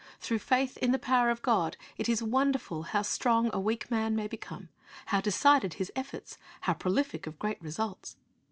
Through faith in the power of God, it is wonderful how strong a weak man may become, how decided his efforts, how prolific of great results.